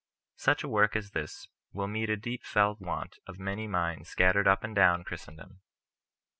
Such a work as this will meet a deep felt want of many minds scattered up and down Christendom.